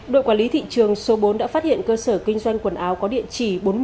đội quản lý thị trường số bốn đã phát hiện cơ sở kinh doanh quần áo có địa chỉ